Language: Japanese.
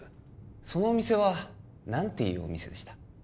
そのお店は何ていうお店でした？